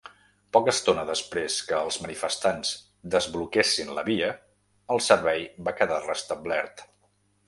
Poca estona després que els manifestants desbloquessin la via, el servei va quedar restablert.